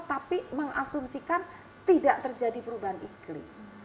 tapi mengasumsikan tidak terjadi perubahan iklim